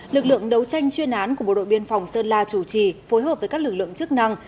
lực lượng đấu tranh chuyên án của bộ đội biên phòng sơn la chủ trì phối hợp với các lực lượng chức năng